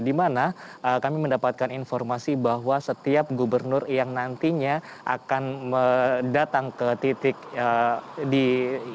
di mana kami mendapatkan informasi bahwa setiap gubernur yang nantinya akan datang ke titik di jakarta